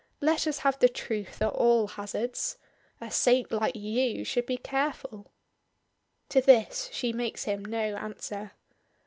Let us have the truth at all hazards. A saint like you should be careful." To this she makes him no answer.